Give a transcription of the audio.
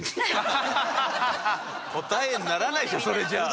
答えにならないでしょそれじゃあ。